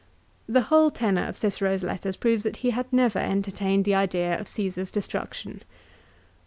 a The whole tenor of Cicero's letters proves that he had never entertained the idea of Caesar's destruction.